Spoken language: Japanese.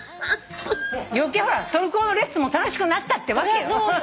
余計トルコ語のレッスンも楽しくなったってわけよ。